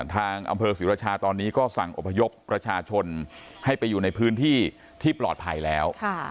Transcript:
ทางอำเภอศรีรชาตอนนี้ก็สั่งอพยพประชาชนให้ไปอยู่ในพื้นที่ที่ปลอดภัยแล้ว